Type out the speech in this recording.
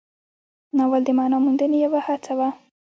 ناول د معنا موندنې یوه هڅه وه.